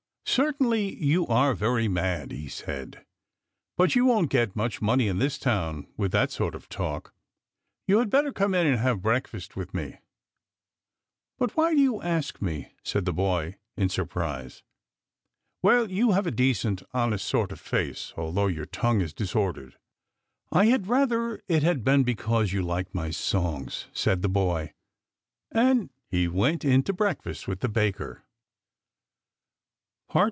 "Certainly you are very mad," he said. " But you won't get much money in this town with that sort of talk. You had better come in and have breakfast with me." " But why do you ask me ?" said the boy, in surprise. " Well, you have a decent, honest sort of face, although your tongue is disordered." " I had rather it had been because you liked my songs," said the boy, and he went in to breakfast with the baker.